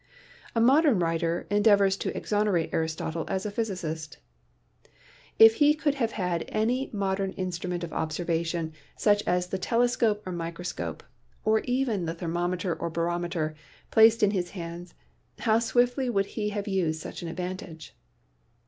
A modern writer endeavors to exonerate Aristotle as a physicist. "If he could have had any modern instrument AN ANALYSIS OF MATTER 7 of observation — such as the telescope or microscope, or even the thermometer or barometer — placed in his hands, how swiftly would he have used such an advantage